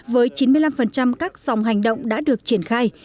với chín mươi năm các dòng hành động đã được triển khai